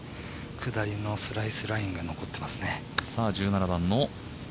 下りのスライスラインが残ってますね。